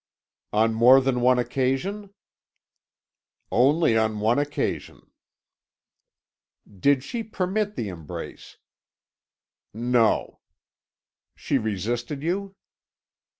"On more than one occasion." "Only on one occasion." "Did she permit the embrace?" "No." "She resisted you?"